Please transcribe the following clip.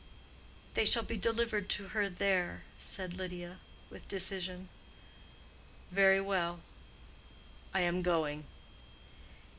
"They shall be delivered to her there," said Lydia, with decision. "Very well, I am going."